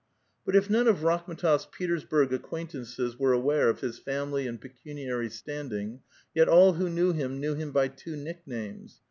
But if none of Rakhm^tof 's Petersburg acquaintances were aware of his family and pecuniary standing, yet all who knew "him knew him by two nicknames.